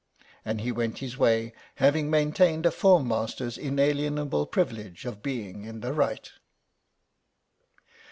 And he went his way, having maintained a form master's inalienable privilege of being in the right.